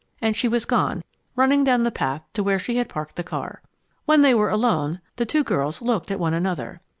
And she was gone, running down the path to where she had parked the car. When they were alone, the two girls looked at one another.